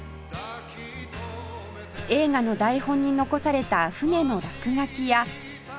映画の台本に残された船の落書きや